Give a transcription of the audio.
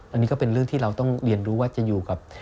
อันนี้ก็เป็นเรื่องที่เราต้องเรียนรู้ว่าจะอยู่กับ